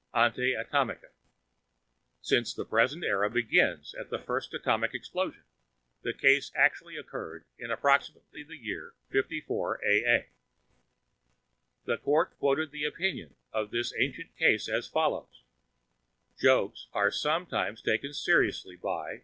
Ante Atomica. Since the present era begins with the first atomic explosion, the case actually occurred in approximately the year 54 A.A.) The Court quoted the opinion in this ancient case as follows: "Jokes are sometimes taken seriously by